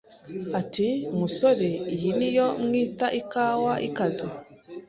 ati Musore iyi ni yo mwita ikawa ikaze